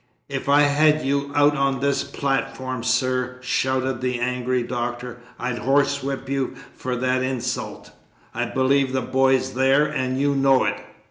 "If I had you out on this platform, sir," shouted the angry Doctor, "I'd horsewhip you for that insult. I believe the boy's there and you know it.